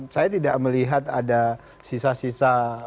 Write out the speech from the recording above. saya tidak melihat ada sisa sisa